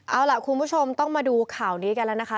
เอาล่ะคุณผู้ชมต้องมาดูข่าวนี้กันแล้วนะคะ